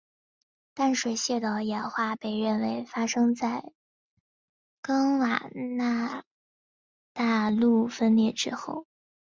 淡水蟹的演化被认为发生在冈瓦纳大陆分裂之后。